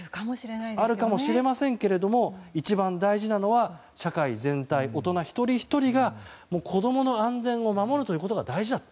あるかもしれませんが一番大事なのは社会全体、大人一人ひとりが子供の安全を守るということが大事だと。